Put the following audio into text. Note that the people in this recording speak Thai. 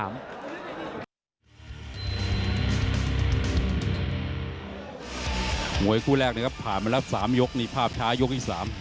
มวยคู่แรกนะครับผ่านมาแล้ว๓ยกนี่ภาพช้ายกที่๓